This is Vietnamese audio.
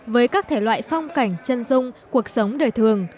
với các thể loại phong cảnh chân dung cuộc sống đời thường